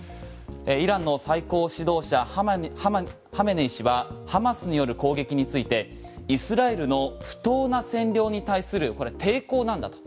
イランの最高指導者ハメネイ師はハマスによる攻撃についてイスラエルの不当な占領に対するこれは抵抗なんだと。